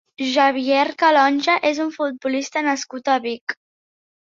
Javier Calonge és un futbolista nascut a Vic.